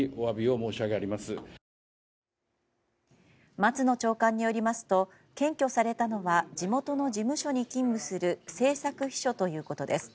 松野長官によりますと検挙されたのは地元の事務所に勤務する政策秘書ということです。